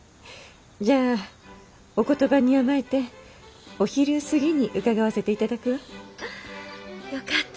じゃあお言葉に甘えてお昼過ぎに伺わせて頂くわ。よかった。